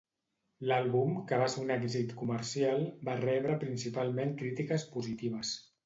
L'àlbum, que va ser un èxit comercial, va rebre principalment crítiques positives.